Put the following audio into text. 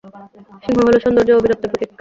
সিংহ হল সৌন্দর্য ও বীরত্বের প্রতীক।